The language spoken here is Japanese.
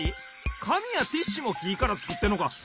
かみやティッシュもきからつくってんのか！